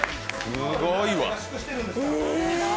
すごいわ。